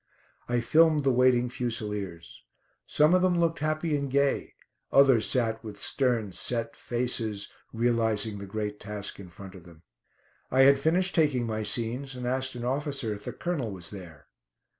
I filmed the waiting Fusiliers. Some of them looked happy and gay, others sat with stern, set faces, realising the great task in front of them. I had finished taking my scenes, and asked an officer if the Colonel was there.